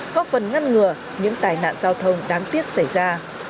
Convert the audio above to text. góp phần ngăn ngừa những tài nạn giao thông đáng tiếc xảy ra